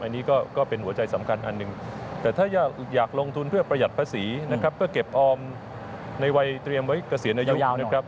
อันนี้ก็เป็นหัวใจสำคัญอันหนึ่งแต่ถ้าอยากลงทุนเพื่อประหยัดภาษีนะครับก็เก็บออมในวัยเตรียมไว้เกษียณอายุยาวนะครับ